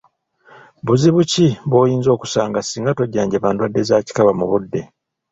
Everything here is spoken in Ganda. Buzibu ki bw’oyinza okusanga singa tojjanjaba ndwadde za kikaba mu budde?